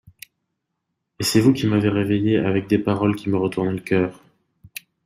Et c'est vous qui m'avez reveillée avec des paroles qui me retournaient le coeur.